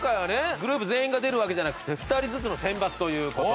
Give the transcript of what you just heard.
グループ全員が出るわけじゃなくて２人ずつの選抜という事で。